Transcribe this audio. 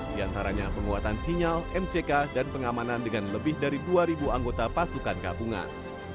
di antaranya penguatan sinyal mck dan pengamanan dengan lebih dari dua anggota pasukan gabungan